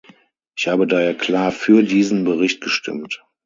Ich habe daher klar für diesen Bericht gestimmt.